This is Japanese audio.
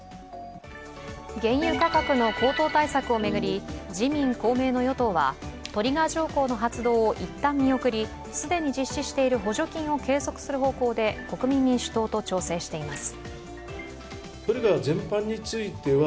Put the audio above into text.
原油価格の高騰対策を巡り自民・公明の与党はトリガー条項の発動を一旦見送り既に実施している補助金を継続する方向で国民民主党と調整しています。